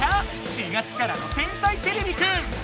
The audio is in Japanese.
４月からの「天才てれびくん」！